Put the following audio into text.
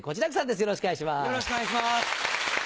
よろしくお願いします。